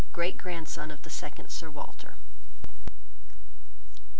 great grandson of the second Sir Walter."